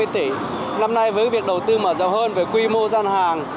một mươi tỷ năm nay với việc đầu tư mở rộng hơn về quy mô gian hàng